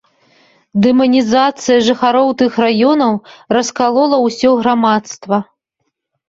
Дэманізацыя жыхароў тых раёнаў раскалола ўсё грамадства.